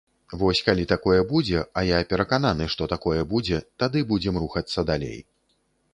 Вось калі такое будзе, а я перакананы, што такое будзе, тады будзем рухацца далей.